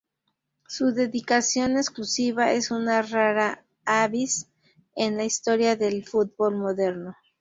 Su dedicación exclusiva es una "rara avis" en la historia del fútbol moderno.